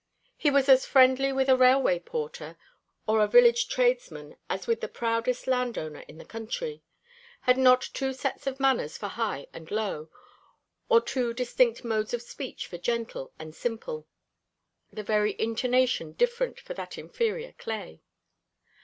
He was as friendly with a railway porter or a village tradesman as with the proudest landowner in the county; had not two sets of manners for high and low, or two distinct modes of speech for gentle and simple, the very intonation different for that inferior clay.